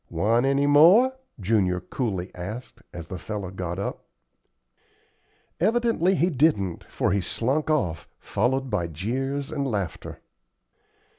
"Want any more?" Junior coolly asked, as the fellow got up. Evidently he didn't, for he slunk off, followed by jeers and laughter.